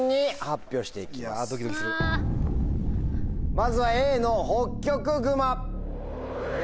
まずはＡの「ホッキョクグマ」。